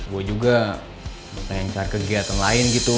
gue juga pengen cari kegiatan lain gitu